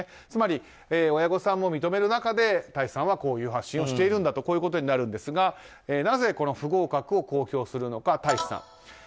つまり、親御さんも認める中で大維志さんはこういう発信をしているということですがこういうことになるんですがなぜ、不合格を公表するのか大維志さん。